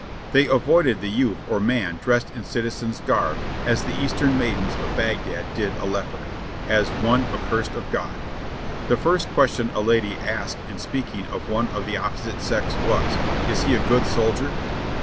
They avoided the youth or man dressed in citizen's garb as the Eastern maidens of Bagdad did a leper, "as one accursed of God." The first question a lady asked in speaking of one of the oppo site sex was: "Is he a good soldier?"